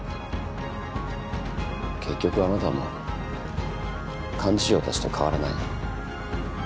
結局あなたも幹事長たちと変わらない。